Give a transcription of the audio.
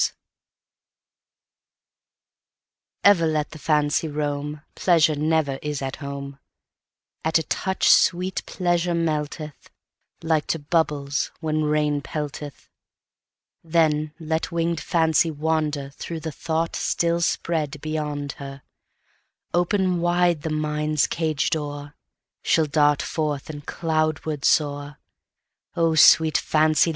Fancy EVER let the Fancy roam, Pleasure never is at home:At a touch sweet Pleasure melteth, Like to bubbles when rain pelteth; Then let winged Fancy wanderThrough the thought still spread beyond her:Open wide the mind's cage door, She'll dart forth, and cloudward soar.O sweet Fancy!